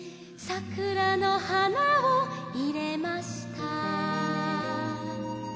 「桜の花を入れました」